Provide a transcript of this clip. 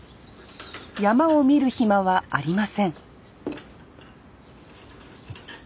曳山を見る暇はありません